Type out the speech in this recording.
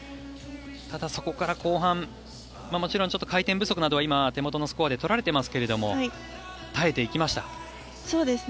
ただ、そこから後半もちろん回転不足などは今、手元のスコアでは取られていますが耐えていきました。